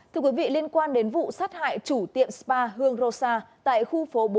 thưa quý vị liên quan đến vụ sát hại chủ tiệm spa hương rosa tại khu phố bốn